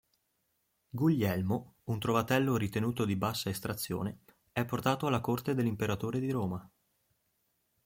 Guglielmo, un trovatello ritenuto di bassa estrazione, è portato alla corte dell'imperatore di Roma.